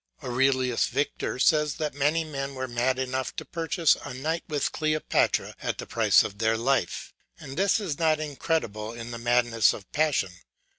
Aurelius Victor says that many men were mad enough to purchase a night with Cleopatra at the price of their life, and this is not incredible in the madness of passion.